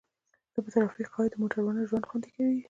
د ټرافیک قواعد د موټروانو ژوند خوندي کوي.